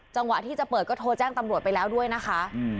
จังหวะที่จะเปิดก็โทรแจ้งตำรวจไปแล้วด้วยนะคะ